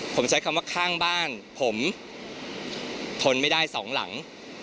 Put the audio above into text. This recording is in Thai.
ผมใช้คำว่าข้างบ้านผมทนไม่ได้สองหลัง